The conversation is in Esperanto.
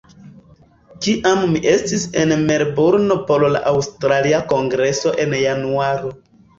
Kiam mi estis en Melburno por la aŭstralia kongreso en Januaro